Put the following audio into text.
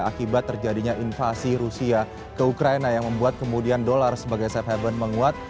akibat terjadinya invasi rusia ke ukraina yang membuat kemudian dolar sebagai safe haven menguat